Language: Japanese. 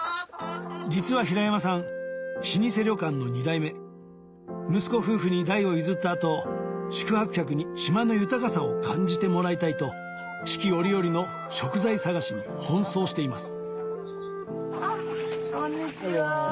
実は平山さん老舗旅館の２代目息子夫婦に代を譲った後宿泊客に島の豊かさを感じてもらいたいと四季折々の食材探しに奔走していますこんにちは。